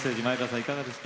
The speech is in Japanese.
いかがですか？